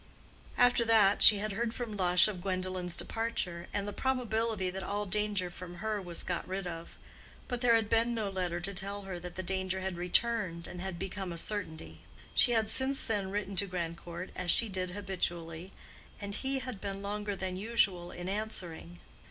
After that, she had heard from Lush of Gwendolen's departure, and the probability that all danger from her was got rid of; but there had been no letter to tell her that the danger had returned and had become a certainty. She had since then written to Grandcourt, as she did habitually, and he had been longer than usual in answering.